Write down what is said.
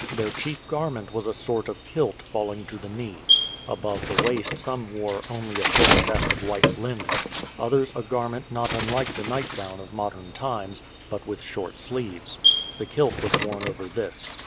Their chief garment was a sort of kilt falling to the knee. Above the waist some wore only a thin vest of white linen, others a garment not unlike the nightgown of modern times, but with short sleeves. The kilt was worn over this.